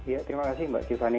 ya terima kasih mbak tiffany